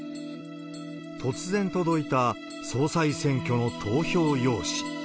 突然届いた総裁選挙の投票用紙。